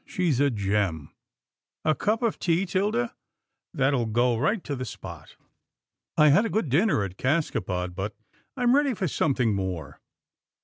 She's a gem — A cup of tea, 'Tilda, that will go right to the spot. I had a good dinner at Cascapod, but I'm ready for something more."